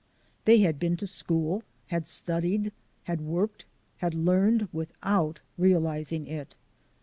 They had been to school, had studied, had worked, had learned without realizing it.